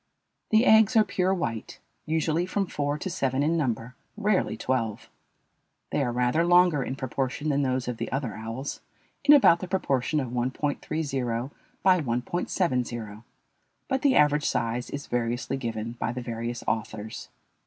The eggs are pure white, usually from four to seven in number, rarely twelve. They are rather longer in proportion than those of the other owls in about the proportion of 1.30 × 1.70. But the average size is variously given by the various authors.